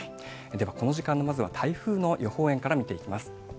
では、この時間の、まずは台風の予報円から見ていきます。